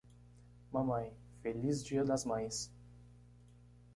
Mamãe, feliz dia das mães!